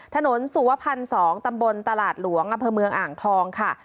ถนนสุวพันธ์๒ตำบลตลาดหลวงออ่างทองค่ะ